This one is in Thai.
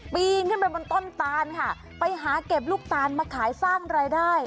ปีนขึ้นไปบนต้นตานค่ะไปหาเก็บลูกตาลมาขายสร้างรายได้